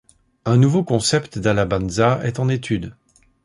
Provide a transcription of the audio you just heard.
Un nouveau concept d'Alabanza est en étude.